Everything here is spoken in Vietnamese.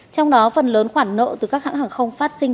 trong đó phần lớn khoản nợ từ các hãng hàng không phát sinh